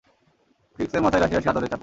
ট্রিকসের মাথায় রাশি রাশি আদরের চাপড়।